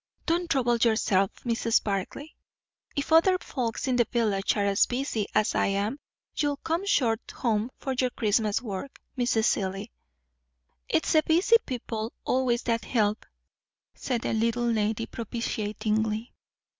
Don't trouble yourself, Mrs. Barclay. If other folks in the village are as busy as I am, you'll come short home for your Christmas work, Mrs. Seelye." "It's the busy people always that help," said the little lady propitiatingly.